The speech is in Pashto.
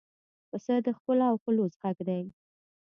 پسه د ښکلا او خلوص غږ دی.